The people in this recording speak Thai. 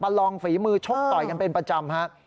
ประลองฝีมือชกต่อยกันเป็นประจำครับ